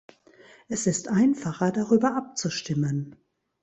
Es ist einfacher, darüber abzustimmen.